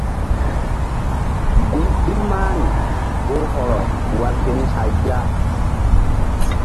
Gun ɓil mahri oh hɔrɔ wal keni hay ya.